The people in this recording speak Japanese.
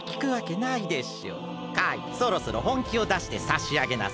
カイそろそろほんきをだしてさしあげなさい。